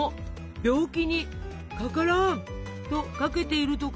病気に「かからん！」とかけているとか。